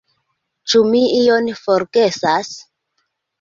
Ĉu mi ion forgesas?